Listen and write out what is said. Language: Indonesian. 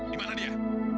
di mana dia